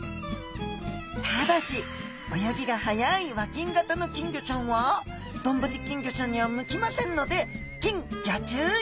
ただし泳ぎが速い和金型の金魚ちゃんはどんぶり金魚ちゃんには向きませんので禁ギョ注意